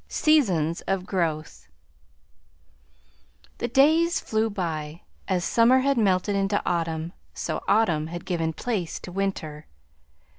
XVI SEASONS OF GROWTH The days flew by; as summer had melted into autumn so autumn had given place to winter.